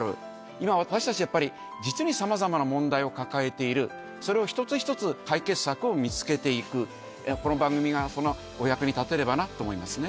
今、私たち、やっぱり、実にさまざまな問題を抱えている、それを一つ一つ、解決策を見つけていく、この番組がそのお役に立てればなと思いますね。